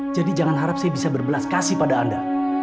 jadi jangan harap saya bisa berbelas kasih pada anda